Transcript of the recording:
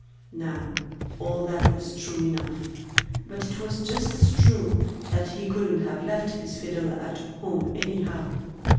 Now, all that was true enough. But it was just as true that he couldn't have left his fiddle at home anyhow.